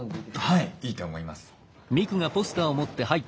はいいいと思います。